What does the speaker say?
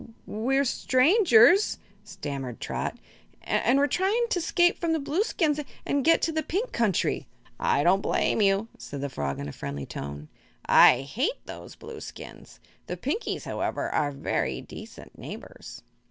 "W we're strangers," stammered Trot; "an' we're tryin' to 'scape from the Blueskins an' get into the Pink Country." "I don't blame you," said the frog, in a friendly tone. "I hate those Blueskins. The Pinkies, however, are very decent neighbors."